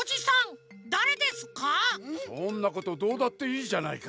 そんなことどうだっていいじゃないか。